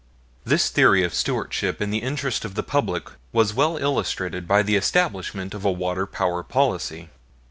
This theory of stewardship in the interest of the public was well illustrated by the establishment of a water power policy.